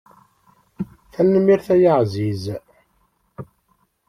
Tanemmirt ay aɛziz.